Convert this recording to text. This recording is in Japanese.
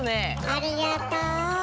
ありがとう。